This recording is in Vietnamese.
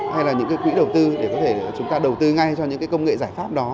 hay là những cái quỹ đầu tư để có thể chúng ta đầu tư ngay cho những cái công nghệ giải pháp đó